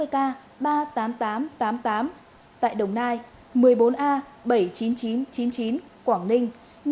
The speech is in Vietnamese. hai mươi k ba mươi tám nghìn tám trăm tám mươi tám tại đồng nai một mươi bốn a bảy mươi chín nghìn chín trăm chín mươi chín quảng ninh